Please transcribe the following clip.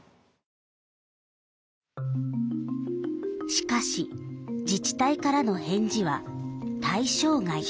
しかし自治体からの返事は「対象外」。